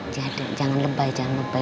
jadi jangan lebay jangan lebay